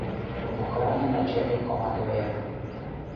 Охрана начальник командовая.